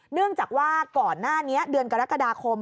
เนื่องจากว่าก่อนหน้านี้เดือนกรกฎาคม